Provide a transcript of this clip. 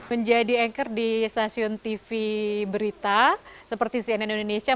menjadi anchor di stasiun tv berita seperti cnn indonesia